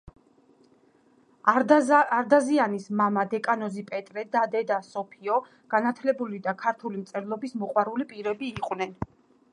არდაზიანის მამა, დეკანოზი პეტრე, და დედა, სოფიო, განათლებული და ქართული მწერლობის მოყვარული პირები იყვნენ.